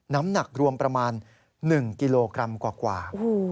น้ำหนักรวมประมาณ๑กิโลกรัมกว่า